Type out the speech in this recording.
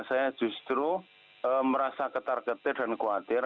saya justru merasa ketar ketir dan khawatir